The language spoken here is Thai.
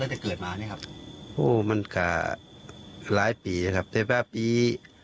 ตั้งแต่เกิดมาเนี่ยครับโอ้มันก็หลายปีนะครับแต่ว่าปี